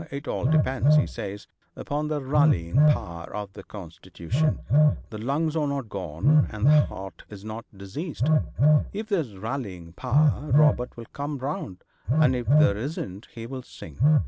It all depends, he says, upon the rallying power of the constitution. The lungs are not gone, and the heart is not diseased. If there's rallying power, Robert will come round, and if there isn't he'll sink.